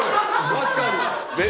確かに。